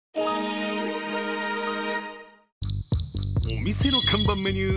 お店の看板メニュー